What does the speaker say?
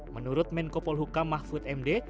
menurut menko polhukam mahfud md